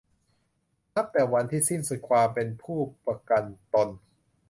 นับแต่วันที่สิ้นสุดความเป็นผู้ประกันตน